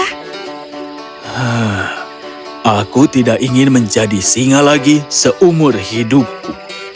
ah aku tidak ingin menjadi singa lagi seumur hidupku